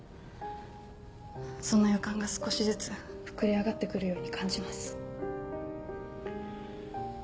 そんな予感が少しずつ膨れ上がって来るように感じます。